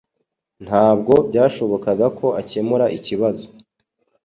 Ntabwo byashobokaga ko akemura ikibazo.